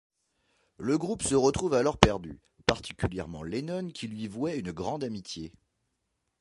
Le groupe se retrouve alors perdu, particulièrement Lennon qui lui vouait une grande amitié.